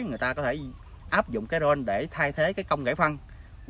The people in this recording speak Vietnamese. người ta có thể áp dụng ron để thay thế công nghệ phân tích